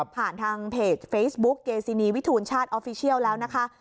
ผ่านทางเพจเฟซบุ๊กเกซินีวิทูลชาติออฟฟิเชียลแล้วนะคะ